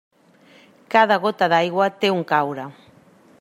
Cada gota d'aigua té on caure.